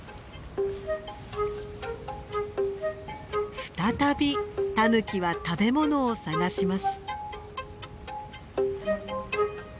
再びタヌキは食べ物を探します。